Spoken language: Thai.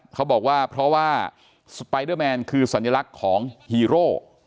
เขาบอกว่าเพราะว่าสไปเดอร์แมนคือสัญลักษณ์ของฮีโร่